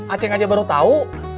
aceh aja baru tahu